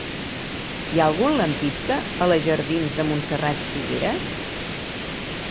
Hi ha algun lampista a la jardins de Montserrat Figueras?